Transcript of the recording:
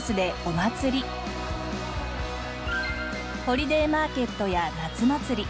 ホリデーマーケットや夏祭り